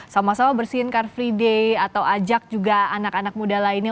sama sama bersihin car free day atau ajak juga anak anak muda lainnya